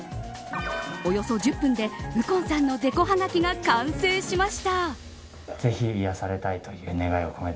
およそ１０分で右近さんのデコはがきが完成しました。